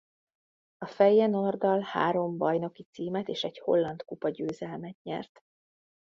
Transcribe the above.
A Feyenoorddal három bajnoki címet és egy holland kupa-győzelmet nyert.